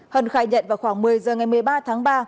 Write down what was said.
hân khai nhận vào khoảng một mươi giờ ngày một mươi ba tháng ba